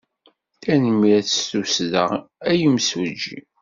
Tanemmirt s tussda, a imsujji.